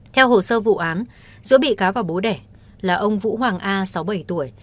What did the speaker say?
theo hồ sơ vụ án giữa bị cáo và bố đẻ là ông vũ hoàng a sáu mươi bảy tuổi